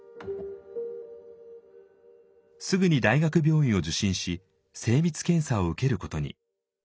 すぐに大学病院を受診し精密検査を受けることに。